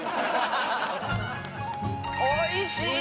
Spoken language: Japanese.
おいしい！